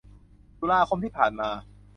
ตุลาคมที่ผ่านมา